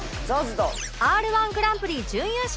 Ｒ−１ グランプリ準優勝